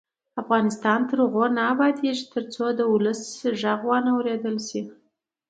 افغانستان تر هغو نه ابادیږي، ترڅو د ولس غږ واوریدل نشي.